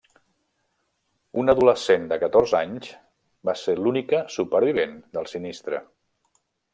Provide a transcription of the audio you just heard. Una adolescent de catorze anys va ser l'única supervivent del sinistre.